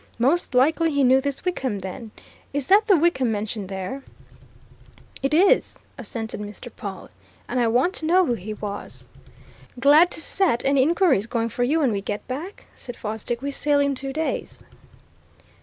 Most likely he knew this Wickham then. Is that the Wickham mentioned there?" "It is," assented Mr. Pawle, "and I want to know who he was." "Glad to set any inquiries going for you when we get back," said Fosdick. "We sail in two days."